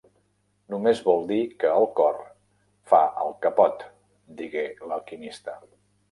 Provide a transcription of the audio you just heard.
"Només vol dir que el cor fa el que pot", digué l'alquimista.